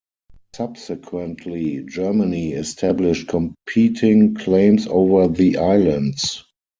Subsequently, Germany established competing claims over the islands.